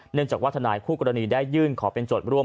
เนื่องจากว่าทนายคู่กรณีได้ยื่นขอเป็นโจทย์ร่วม